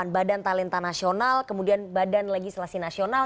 badan talenta nasional kemudian badan legislasi nasional